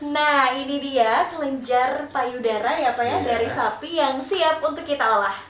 nah ini dia kelenjar payudara dari sapi yang siap untuk kita olah